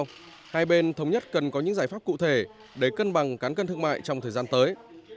vì vậy hai bên thống nhất cần có những giải pháp cụ thể để cân bằng cán cân thương mại trong thời gian tới